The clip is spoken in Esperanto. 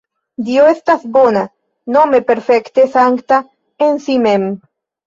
Dio estas bona, nome perfekte sankta en si mem.